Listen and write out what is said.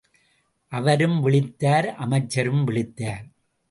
அவரும் விழித்தார் அமைச்சரும் விழித்தார்.